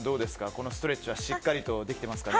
このストレッチはしっかりとできていますかね？